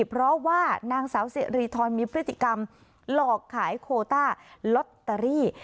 เพราะว่านางสาวสิริธรมีพฤติกรรมหลอกขายโคต้าลอตเตอรี่